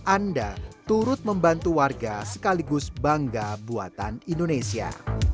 anda turut membantu warga sekaligus bangga buatan indonesia